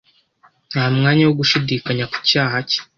Nta mwanya wo gushidikanya ku cyaha cye